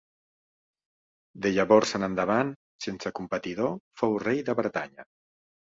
De llavors en endavant, sense competidor, fou rei de Bretanya.